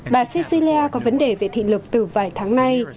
bà cecilia có vấn đề về thị lực từ vài tháng nay